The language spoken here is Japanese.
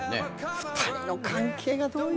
２人の関係がどういう。